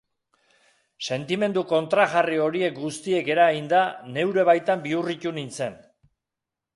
Sentimendu kontrajarri horiek guztiek eraginda, neure baitan bihurritu nintzen.